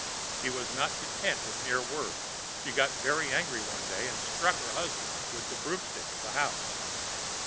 She was not content with mere words; she got very angry one day and struck her husband with the broomstick of the house.